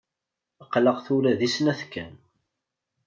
Aql-aɣ tura di snat kan.